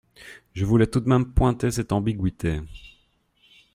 Je voulais tout de même pointer cette ambiguïté.